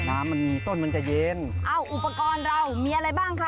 อ้าวอุปกรณ์เรามีอะไรบ้างคะ